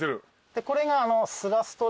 でこれが。